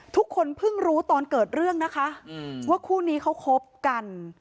ทุกคนเพิ่งรู้ตอนเกิดเรื่องนะคะว่าคู่นี้เขาคบกัน